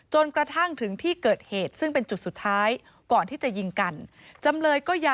จนกระทั่งถึงที่เกิดเหตุซึ่งเป็นจุดสุดท้าย